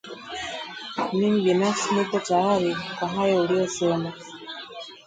Mimi binafsi niko tayari kwa hayo uliyosema